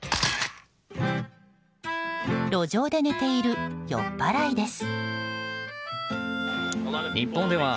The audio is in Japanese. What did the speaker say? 路上で寝ている酔っ払いです。